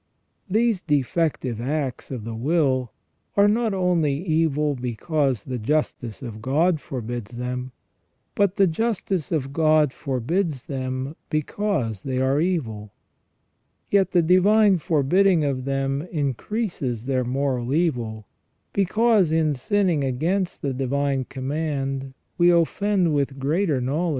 These defective acts of the will are not only evil because the justice of God forbids them, but the justice of God forbids them because they are evil ; yet the divine forbidding of them increases their moral evil, because in sinning against the divine command we offend with greater knowledge, * S.